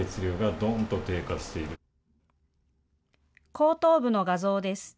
後頭部の画像です。